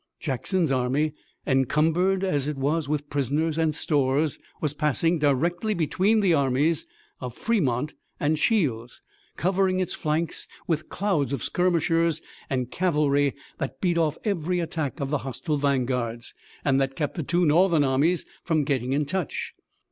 Jackson's army, encumbered as it was with prisoners and stores, was passing directly between the armies of Fremont and Shields, covering its flanks with clouds of skirmishers and cavalry that beat off every attack of the hostile vanguards, and that kept the two Northern armies from getting into touch.